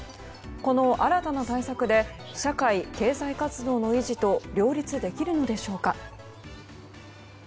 この新たな対策で社会経済活動の維持と両立できるのでしょうか。